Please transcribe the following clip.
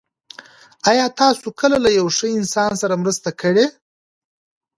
آیا تاسو کله له یو ښه انسان سره مرسته کړې؟